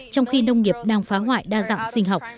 trong khi nông nghiệp đang phá hoại đa dạng sinh học